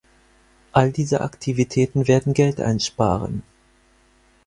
All diese Aktivitäten werden Geld einsparen.